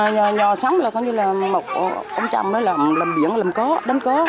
nhờ sống là một ống trầm làm biển làm có đánh có